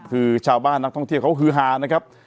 คือชาวบ้านนักท่องเที่ยวเขาฮือฮานะครับ